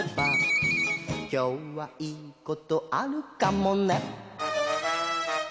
「きょうはいいことあるかもね」